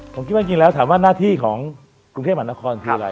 ผมคิดว่าจริงแล้วถามว่าหน้าที่ของกรุงเทพมหานครคืออะไร